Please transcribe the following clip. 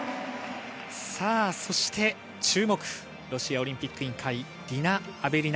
さぁそして注目、ロシアオリンピック委員会ディナ・アベリナ。